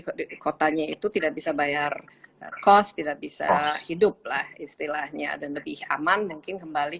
kotanya itu tidak bisa bayar kos tidak bisa hidup lah istilahnya dan lebih aman mungkin kembali